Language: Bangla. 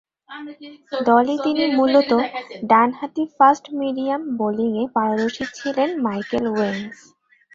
দলে তিনি মূলতঃ ডানহাতি ফাস্ট-মিডিয়াম বোলিংয়ে পারদর্শী ছিলেন মাইকেল ওয়েন্স।